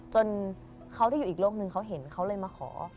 จนเขาได้อยู่อีกโลกนึงเขาเห็นเขาเลยมาขอ